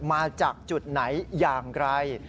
มาจากจุดไหนอย่างไร